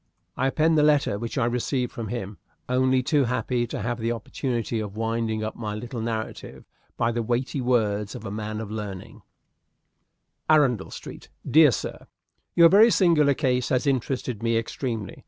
I append the letter which I received from him, only too happy to have the opportunity of winding up my little narrative by the weighty words of a man of learning: "Arundel Street. "Dear Sir Your very singular case has interested me extremely.